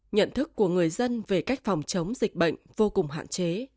nhận thức của người dân về cách phòng chống dịch bệnh vô cùng hạn chế